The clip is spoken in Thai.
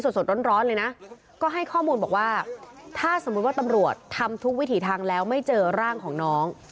สดร้อนเลยนะก็ให้ข้อมูลบอกว่าถ้าสมมุติว่าตำรวจทำทุกวิถีทางแล้วไม่เจอร่างของน้อง